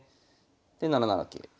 で７七桂。